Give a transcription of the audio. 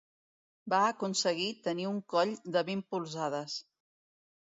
Va aconseguir tenir un coll de vint polzades.